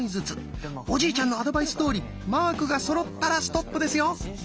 おじいちゃんのアドバイスどおりマークがそろったらストップですよ！